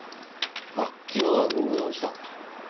あ昨日はご苦労様でした。